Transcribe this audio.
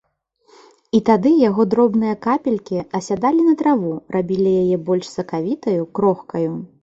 І тады яго дробныя капелькі асядалі на траву, рабілі яе больш сакавітаю, крохкаю.